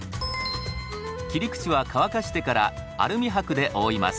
切り口は乾かしてからアルミはくで覆います。